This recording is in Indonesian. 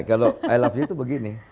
kalau i love you itu begini